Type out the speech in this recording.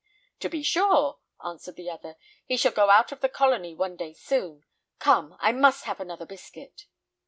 "To be sure," answered the other. "He shall go out of the colony one day soon. Come, I must have another biscuit."